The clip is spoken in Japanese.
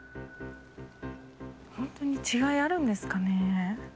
ホントに違いあるんですかね？